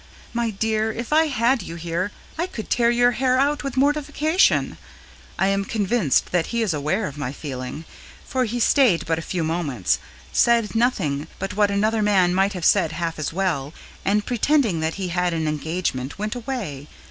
My dear, if I had you here, I could tear your hair out with mortification. I am convinced that he is aware of my feeling, for he stayed but a few moments, said nothing but what another man might have said half as well, and pretending that he had an engagement went away.